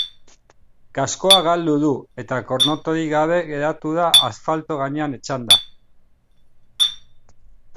Kaskoa galdu du eta konorterik gabe geratu da asfalto gainean etzanda.